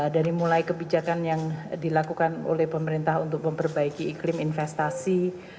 dari mulai kebijakan yang dilakukan oleh pemerintah untuk memperbaiki iklim investasi